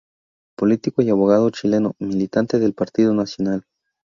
Político y abogado chileno, militante del Partido Nacional.